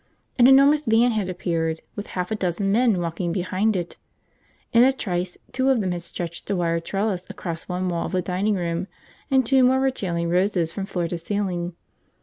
An enormous van had appeared, with half a dozen men walking behind it. In a trice, two of them had stretched a wire trellis across one wall of the drawing room, and two more were trailing roses from floor to ceiling.